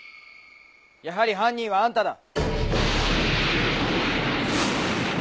やはり犯人はあんただ！